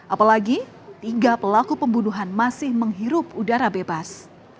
apalagi tiga pelaku pembunuhan masih menghirup udara bebas